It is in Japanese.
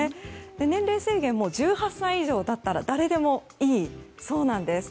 年齢制限も１８歳以上だったら誰でもいいそうなんです。